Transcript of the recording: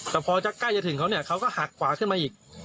แต่พอใกล้จะถึงเขาเนี่ยเขาก็หักขวาขึ้นมาอีก